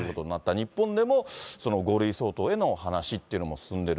日本でも５類相当への話っていうのも進んでる。